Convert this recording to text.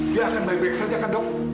dia akan baik baik saja ke dok